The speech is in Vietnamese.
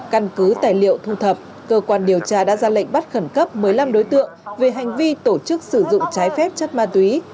căn cứ tài liệu thu thập cơ quan điều tra đã ra lệnh bắt khẩn cấp một mươi năm đối tượng về hành vi tổ chức sử dụng trái phép chất ma túy